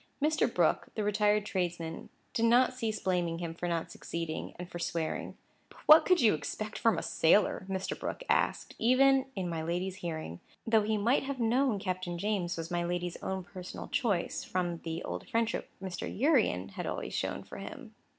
Mr. Brooke, the retired tradesman, did not cease blaming him for not succeeding, and for swearing. "But what could you expect from a sailor?" Mr. Brooke asked, even in my lady's hearing; though he might have known Captain James was my lady's own personal choice, from the old friendship Mr. Urian had always shown for him.